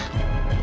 tidak mungkin ya